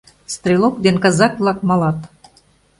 Стрелок ден казак-влак малат.